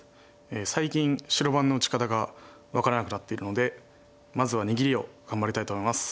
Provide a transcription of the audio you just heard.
最近白番の打ち方が分からなくなっているのでまずは握りを頑張りたいと思います。